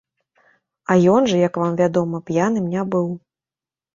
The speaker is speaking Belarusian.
А ён жа, як вам вядома, п'яным не быў.